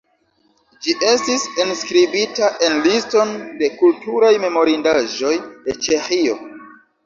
Ĝi estis enskribita en liston de kulturaj memorindaĵoj de Ĉeĥio.